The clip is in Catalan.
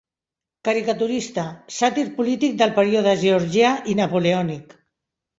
Caricaturista: sàtir polític del període georgià i napoleònic.